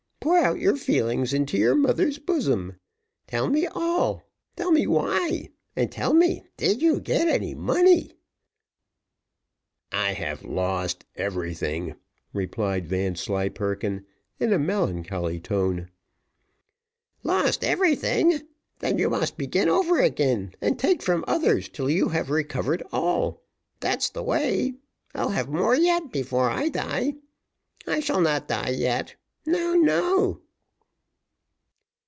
Pour out your feelings into your mother's bosom. Tell me all tell me why and tell me, did you get any money?" "I have lost everything," replied Vanslyperken, in a melancholy tone. "Lost everything! then you must begin over again, and take from others till you have recovered all. That's the way I'll have more yet, before I die. I shall not die yet no, no."